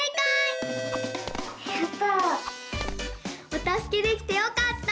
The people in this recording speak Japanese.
おたすけできてよかった！